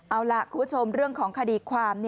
เอาล่ะคุณผู้ชมเรื่องของคดีความ